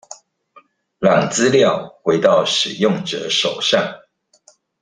讓資料回到使用者手上